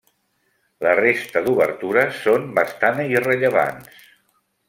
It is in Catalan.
La resta d'obertures són bastant irrellevants.